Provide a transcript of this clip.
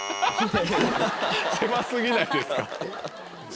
狭過ぎないですか？